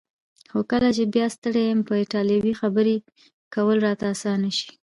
خو کله چې بیا ستړی یم په ایټالوي خبرې کول راته اسانه شي.